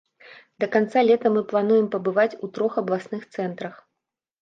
Да канца лета мы плануем пабываць у трох абласных цэнтрах.